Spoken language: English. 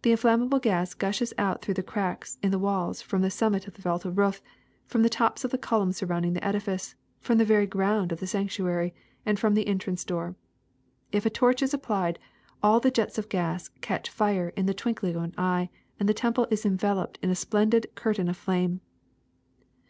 The inflammable gas gushes out through the cracks in the walls, from the summit of the vaulted roof, from the tops of the columns surround ing the edifice, from the very ground of the sanctu ary, and from the entrance door. If a torch is ap plied, all these jets of gas catch fire in the twinkling of an eye and the temple is enveloped in a splendid curtain of flame.